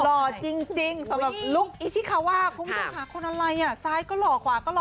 หล่อจริงสำหรับลุคอิชิคาว่าคุ้มต้นหาคนอะไรซ้ายก็หล่อขวาก็หล่อ